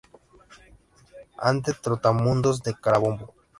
C., ante Trotamundos de Carabobo.